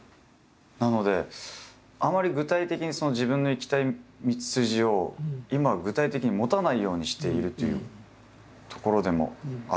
なのであまり具体的に自分の行きたい道筋を今具体的に持たないようにしているというところでもあるんですけれども。